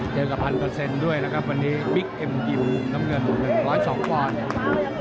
เดี๋ยวกับพันเปอร์เซ็นต์ด้วยนะครับวันนี้บิ๊กเอ็มกิมน้ำเงินหนึ่งร้อยสองฟอร์ส